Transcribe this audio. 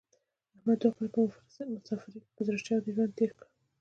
احمد دوه کاله په مسافرۍ کې په زړه چاودې ژوند تېر کړ.